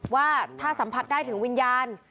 ว่าถ้าสัมผัสได้ถึงวิญญาณ